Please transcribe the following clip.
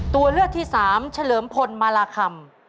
ตัวเลือกที่สามเฉลิมพลมาราคำ